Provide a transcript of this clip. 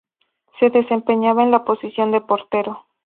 Se desempeñaba en la posición de portero.